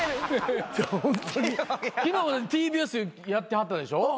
昨日もＴＢＳやってはったでしょ？